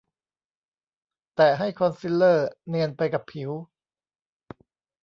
แตะให้คอนซีลเลอร์เนียนไปกับผิว